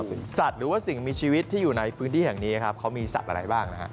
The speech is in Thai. หรือว่าสิ่งมีชีวิตที่อยู่ในพื้นที่อย่างนี้เขามีสัตว์อะไรบ้าง